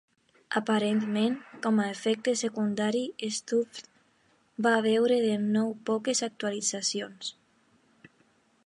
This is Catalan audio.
Aparentment, com a efecte secundari, StuffIt va veure de nou poques actualitzacions, .